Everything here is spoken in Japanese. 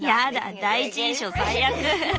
第一印象最悪。